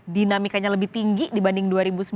dinamikanya lebih tinggi dibanding dua ribu sembilan belas